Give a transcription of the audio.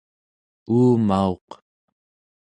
uumauq